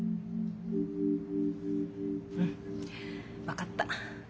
うん分かった。